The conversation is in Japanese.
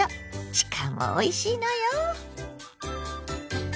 しかもおいしいのよ！